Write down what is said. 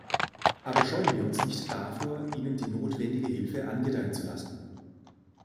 Aber scheuen wir uns nicht davor, ihnen die notwendige Hilfe angedeihen zu lassen.